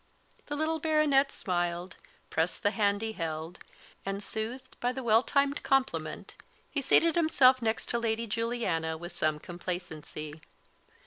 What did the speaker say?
The little Baronet smiled, pressed the hand he held; and, soothed by the well timed compliment, he seated himself next to Lady Juliana with some complacency.